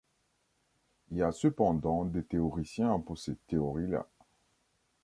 Il y a cependant des théoriciens pour ces théories-là.